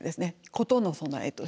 事の備えとして。